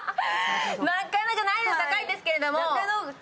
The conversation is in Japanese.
なかなか難易度高いですけれども。